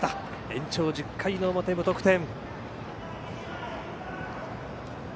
延長１０回の表、無得点。